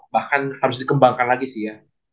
bahkan harus dikembangkan lagi sih ya